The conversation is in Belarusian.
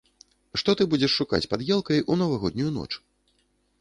Што ты будзеш шукаць пад елкай у навагоднюю ноч?